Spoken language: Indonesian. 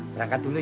berangkat dulu ya